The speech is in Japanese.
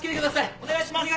お願いします！